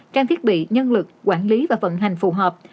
trang thiết bị nhân lực quản lý và vận hành phù hợp